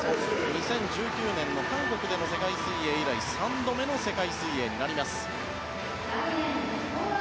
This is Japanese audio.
２０１９年の韓国での世界水泳以来３度目の世界水泳になります。